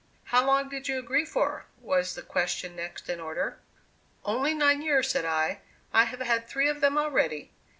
"How long did you agree for?" was the question next in order. "Only nine years," said I. "I have had three of them already.